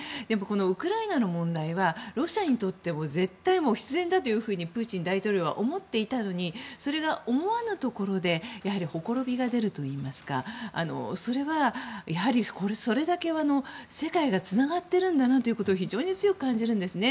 ウクライナの問題はロシアにとっても絶対、必然だという風にプーチン大統領は思っていたのにそれが思わぬところでほころびが出るといいますかそれはそれだけ、世界がつながってるんだなということを非常に強く感じるんですね。